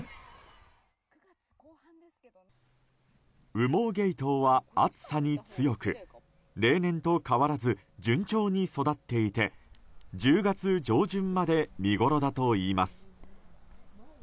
羽毛ゲイトウは暑さに強く例年と変わらず順調に育っていて１０月上旬まで見ごろだといいます。